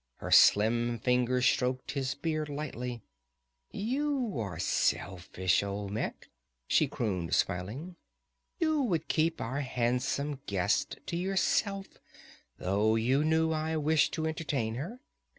Her slim fingers stroked his beard lightly. "You are selfish, Olmec," she crooned, smiling. "You would keep our handsome guest to yourself, though you knew I wished to entertain her.